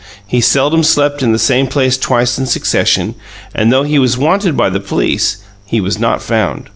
He seldom slept in the same place twice in succession, and though he was wanted by the police, he was not found.